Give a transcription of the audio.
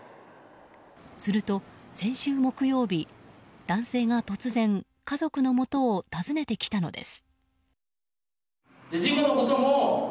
すると先週木曜日男性が突然、家族のもとを訪ねてきたのです。